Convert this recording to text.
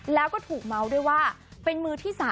แล้วก็ถูกเมาส์ด้วยว่าเป็นมือที่๓